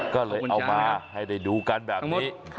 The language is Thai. ก็เลยเอามาให้ได้ดูกันแบบนี้